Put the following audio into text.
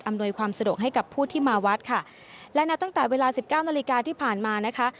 ความสะดวกให้กับผู้ที่มาวัดค่ะและนับตั้งแต่เวลาสิบเก้านาฬิกาที่ผ่านมานะคะ